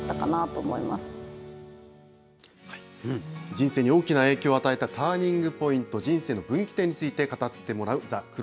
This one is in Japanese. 人生に大きな影響を与えたターニングポイント、人生の分岐点について語ってもらうＴｈｅＣｒｏｓｓｒｏａｄ。